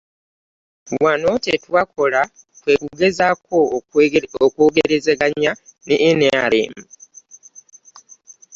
Wano kye twakola kwe kugezaako okwogerezeganya ne NRM